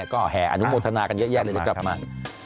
ก็แห่อนุโมทนากันเยอะแยะเลยเดี๋ยวกลับมา